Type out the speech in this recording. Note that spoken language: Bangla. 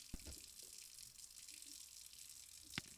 যখন থেকে রাষ্ট্র গঠিত হয়েছে, তখন থেকেই তার নাগরিকেরা দুটি বিষয়ে সতর্ক।